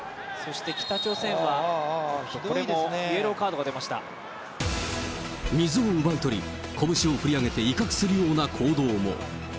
ひどいですね、水を奪い取り、拳を振り上げて威嚇するような行動も。